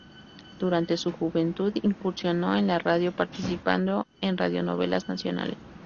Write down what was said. Durante su juventud incursionó en la radio participando en radionovelas nacionales.